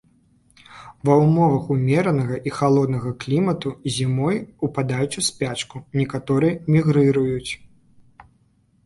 Ва ўмовах умеранага і халоднага клімату зімой упадаюць у спячку, некаторыя мігрыруюць.